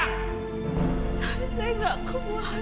tapi saya gak kebun